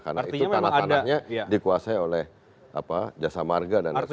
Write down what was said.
karena itu tanah tanahnya dikuasai oleh jasa marga dan sebagainya